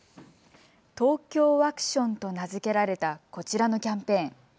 ＴＯＫＹＯワクションと名付けられたこちらのキャンペーン。